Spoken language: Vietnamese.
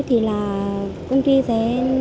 thì là công ty sẽ